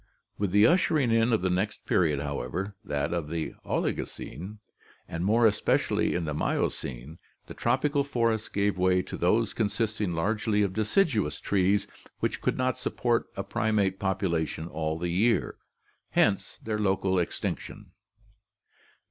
With the ushering in of the next period, however, that of the Oligocene, and more especially in the Miocene, the tropical forests gave way to those consisting largely of deciduous trees which could not sup port a primate population all the year, hence their local extinction.